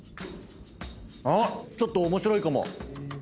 ちょっと面白いかも。